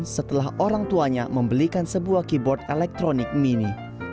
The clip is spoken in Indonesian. setelah orang tuanya membelikan sebuah keyboard elektronik mini